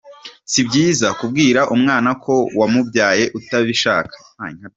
Si byiza kubwira umwana ko wamubyaye utabishaka